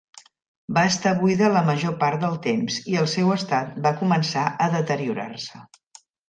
Va estar buida la major part del temps i el seu estat va començar a deteriorar-se.